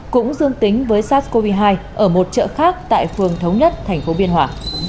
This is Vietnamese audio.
cũng dương tính với sars cov hai ở một chợ khác tại phường thống nhất thành phố biên hòa